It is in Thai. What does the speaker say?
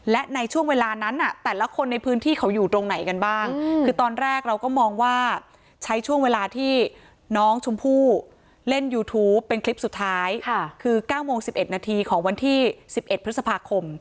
และในช่วงเวลานั้นแต่ละคนในพื้นที่เขาอยู่ตรงไหนกันบ้างคือตอนแรกเราก็มองว่าใช้ช่วงเวลาที่น้องชมพู่เล่นยูทูปเป็นคลิปสุดท้ายคือ๙โมง๑๑นาทีของวันที่๑๑พฤษภาคม